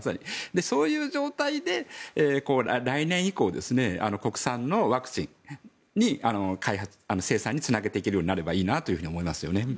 そういう状態で来年以降、国産のワクチンの生産につなげていけるようになればいいなと思いますね。